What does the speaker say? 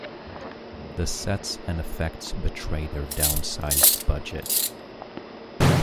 The sets and effects betray their downsized budget.